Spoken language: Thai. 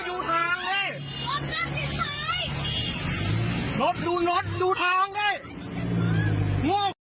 รถดูรถดูทางดิง่อไอ้